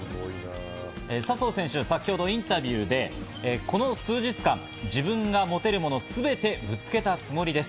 笹生選手、先ほどインタビューでこの数日間、自分が持てるもの、すべてぶつけたつもりです。